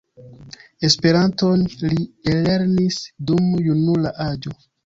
Esperanton li ellernis dum junula aĝo.